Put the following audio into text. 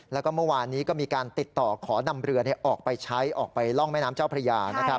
แล้วก็เมื่อวานนี้ก็มีการติดต่อขอนำเรือออกไปใช้ออกไปร่องแม่น้ำเจ้าพระยา